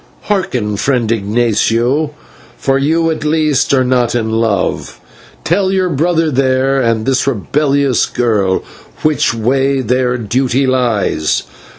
"Hearken, friend Ignatio, for you at least are not in love, tell your brother there and this rebellious girl which way their duty lies.